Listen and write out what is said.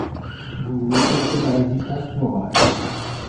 Vous voulez tester ma résistance morale.